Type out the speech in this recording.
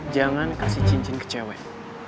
jangan kasih cincin ke cewek